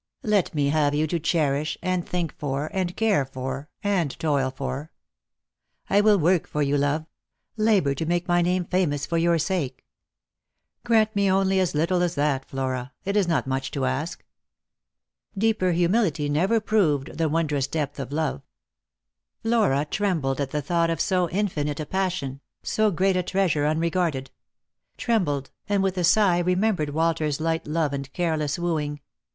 Let me have you to cherish, and think for, and care for, and toil for. I will work for you, love ; labour to make my name famous for your sake. Grant me only as little as that, Flora ; it is not much to ask." Deeper humility never proved the wondrous depth of love. Flora trembled at the thought of so infinite a passion, so great a treasure unregarded; trembled, and with a sigh remembered Walter's light love and careless wooing.